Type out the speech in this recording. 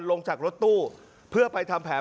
ลงจากรถตู้เพื่อไปทำแผน